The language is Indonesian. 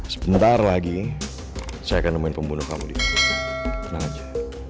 sebentar lagi saya akan nemuin pembunuh kamu di tempat tenang aja